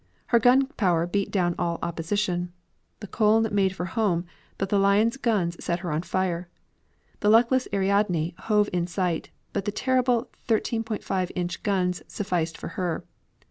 Her gun power beat down all opposition. The Koln made for home, but the Lion's guns set her on fire. The luckless Ariadne hove in sight, but the terrible 13.5 inch guns sufficed for her.